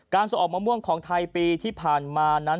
ส่งออกมะม่วงของไทยปีที่ผ่านมานั้น